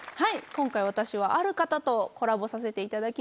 今回私はある方とコラボさせていただきました。